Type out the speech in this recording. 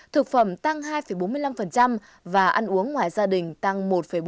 thực phẩm tăng hai bốn mươi năm và ăn uống ngoài gia đình tăng một bốn mươi năm